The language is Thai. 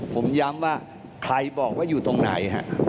ผมย้ำว่าใครบอกว่าอยู่ตรงไหนฮะ